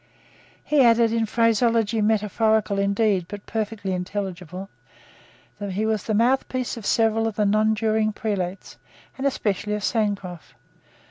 He added, in phraseology metaphorical indeed, but perfectly intelligible, that he was the mouthpiece of several of the nonjuring prelates, and especially of Sancroft.